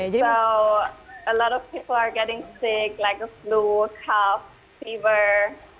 jadi banyak orang yang sakit seperti flu kakak fever